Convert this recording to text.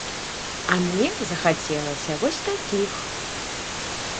А мне захацелася вось такіх.